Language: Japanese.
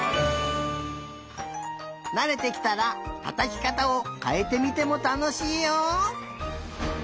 なれてきたらたたきかたをかえてみてもたのしいよ！